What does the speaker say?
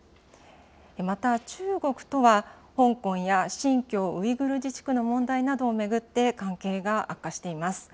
また、中国とは香港や新疆ウイグル自治区の問題などを巡って、関係が悪化しています。